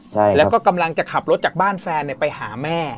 ใช่ครับแล้วก็กำลังจะขับรถจากบ้านแฟนไปหาแม่